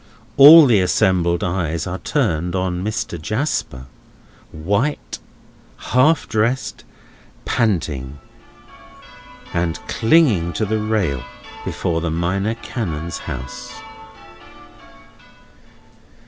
All the assembled eyes are turned on Mr. Jasper, white, half dressed, panting, and clinging to the rail before the Minor Canon's house.